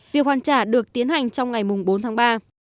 việc hoàn trả được tiến hành trong ngày bốn tháng ba